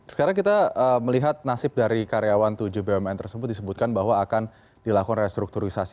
sekarang kita melihat nasib dari karyawan tujuh bumn tersebut disebutkan bahwa akan dilakukan restrukturisasi